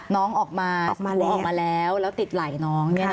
น้องออกมาหัวออกมาแล้วแล้วติดไหล่น้อง